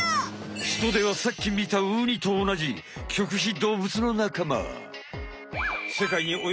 ヒトデはさっきみたウニとおなじ棘皮動物のなかま。